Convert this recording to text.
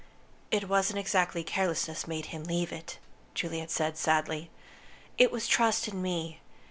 "It wasn't exactly carelessness made him leave it," Juliet said, sadly. "It was trust in me.